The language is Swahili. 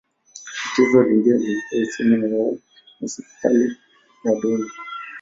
Tatizo lingine lilikuwa uhusiano wao na serikali na dola.